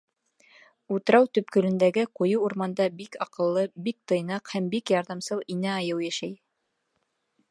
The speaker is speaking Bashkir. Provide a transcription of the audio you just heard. Утрау төпкөлөндәге ҡуйы урманда бик аҡыллы, бик тыйнаҡ һәм бик ярҙамсыл инә айыу йәшәй.